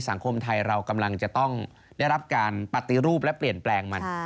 สังคมไทยเรากำลังจะต้องได้รับการปฏิรูปและเปลี่ยนแปลงมัน